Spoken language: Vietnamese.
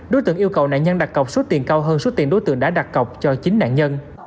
đối tượng yêu cầu nạn nhân đặt cọc số tiền cao hơn số tiền đối tượng đã đặt cọc cho chính nạn nhân